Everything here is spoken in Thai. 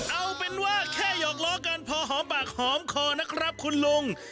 เอาเป็นว่าแค่หยอกล้อกันพอหอมปากหอมคอนะครับคุณลุง